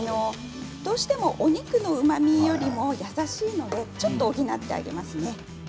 どうしてもお肉のうまみよりも優しいのでちょっと補ってあげますね。